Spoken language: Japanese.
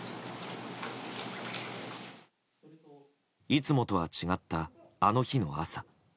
いつもとは違った、あの日の朝。